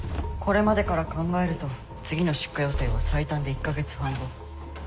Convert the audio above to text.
これまでから考えると次の出荷予定は最短で１カ月半後。